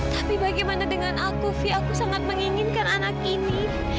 tapi bagaimana dengan aku fi aku sangat menginginkan anak ini